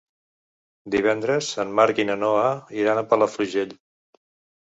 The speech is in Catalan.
Divendres en Marc i na Noa iran a Palafrugell.